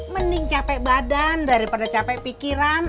mending capek badan daripada capek pikiran